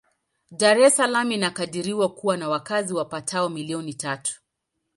Dar es Salaam inakadiriwa kuwa na wakazi wapatao milioni tatu.